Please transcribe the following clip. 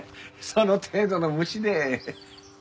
その程度の虫で。